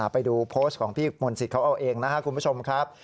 ไปดูโพสต์ของพี่มนต์สิทธิ์เขาเอาเองนะครับคุณผู้ชมครับ